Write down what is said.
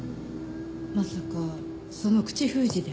まさかその口封じで。